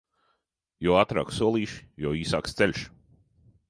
Jo ātrāki solīši, jo īsāks ceļš.